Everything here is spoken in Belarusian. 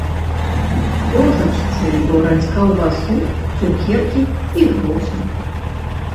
Козачцы дораць каўбасу, цукеркі і грошы.